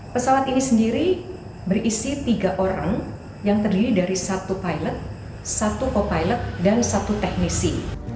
pesawat ini sendiri berisi tiga orang yang terdiri dari satu pilot satu co pilot dan satu teknisi